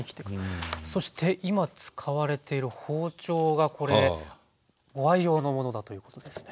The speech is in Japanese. そして今使われている包丁がこれご愛用のものだということですね。